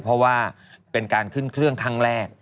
เพราะว่าเป็นการขึ้นเครื่องครั้งแรก